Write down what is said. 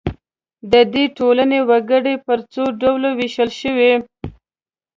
د دې ټولنو وګړي پر څو ډلو وېشل شوي.